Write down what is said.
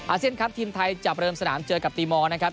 เซียนครับทีมไทยจะเริ่มสนามเจอกับตีมอลนะครับ